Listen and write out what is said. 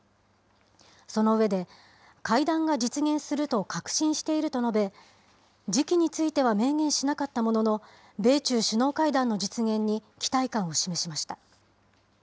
その上で、会談が実現すると確信していると述べ、時期については明言しなかったものの、米中首脳会談の実現に期待感を示しました。